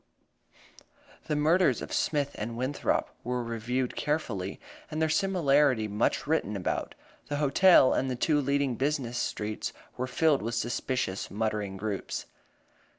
The murders of Smith and Winthrop were reviewed carefully, and their similarity much written about. The hotel and the two leading business streets were filled with suspicious, muttering groups.